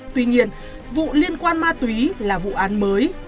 tuy nhiên vụ liên quan ma túy là vụ án mới